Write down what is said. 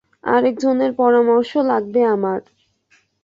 আরেকজনের পরামর্শ লাগবে আমার।